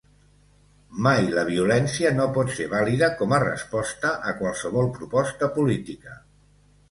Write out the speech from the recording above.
Mai la violència no pot ser vàlida com a resposta a qualsevol proposta política.